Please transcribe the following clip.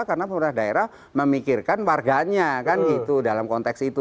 karena pemerintah daerah memikirkan warganya kan gitu dalam konteks itu